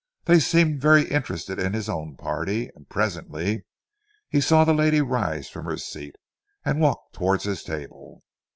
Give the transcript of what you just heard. They seemed very interested in his own party, and presently he saw the lady rise from her seat and walk towards his table.